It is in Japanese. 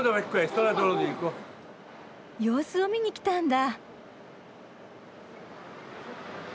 様子を見に来たんだ。